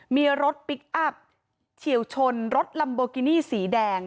มีรถพลิกอัพเฉียวชนรถลัมโบกินี่สีแดง